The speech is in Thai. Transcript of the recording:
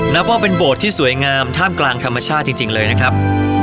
นับว่าเป็นโบสถ์ที่สวยงามท่ามกลางธรรมชาติจริงเลยนะครับ